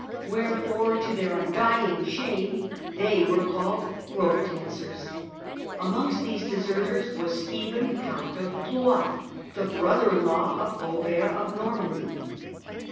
" Wherefore, to their un dying shame, they were called ' ropedancers.' " Amongst these deserters was Stephen Count of Blois, the brother in law of Eobert of Normandy.